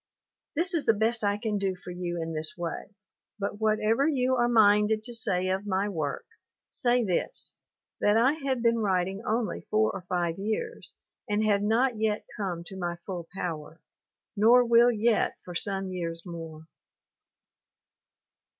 This is the best I can do for you in this way, but whatever you are minded to say of my work say this that P have been writing only four or five years and have not yet come to my full power, nor will yet for some years more.